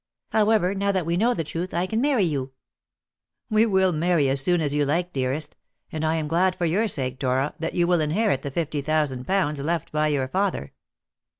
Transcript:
However, now that we know the truth, I can marry you." "We will marry as soon as you like, dearest. And I am glad for your sake, Dora, that you will inherit the fifty thousand pounds left by your father."